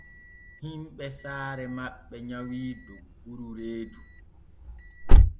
Himɓe saare maɓɓe nyawii dogguru reedu.